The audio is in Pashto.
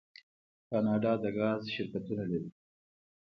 کاناډا د ګاز شرکتونه لري.